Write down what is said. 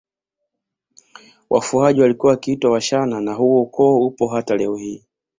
Wafuaji walikuwa wakiitwa Washana na huo ukoo upo hata leo hii